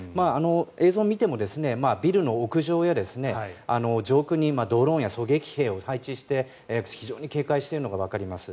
映像を見てもビルの屋上や上空にドローンや狙撃兵を配置して、非常に警戒しているのがわかります。